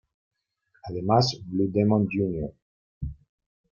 Además, Blue Demon Jr.